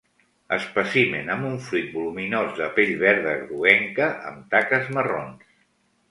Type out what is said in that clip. Espècimen amb un fruit voluminós de pell verda groguenca amb taques marrons.